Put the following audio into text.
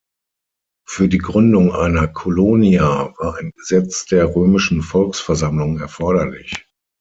Für die Gründung einer "Colonia" war ein Gesetz der römischen Volksversammlung erforderlich.